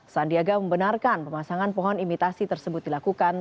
sandiaga membenarkan pemasangan pohon imitasi tersebut dilakukan